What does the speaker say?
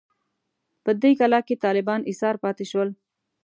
په دې کلا کې طالبان ایسار پاتې شول.